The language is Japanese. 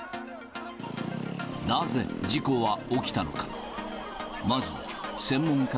なぜ事故は起きたのか。